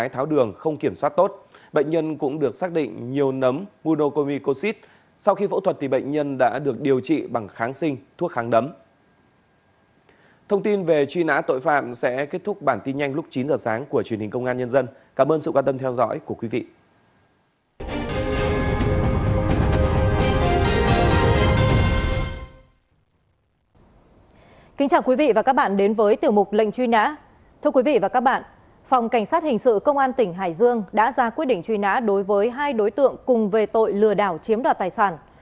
thưa quý vị và các bạn phòng cảnh sát hình sự công an tỉnh hải dương đã ra quyết định truy nã đối với hai đối tượng cùng về tội lừa đảo chiếm đoạt tài sản